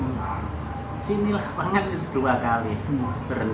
di sini lapangan itu dua kali berhenti